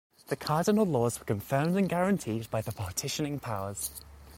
The Cardinal Laws were confirmed and guaranteed by the partitioning powers.